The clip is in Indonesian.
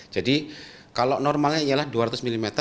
jadi kalau normalnya ialah dua ratus mm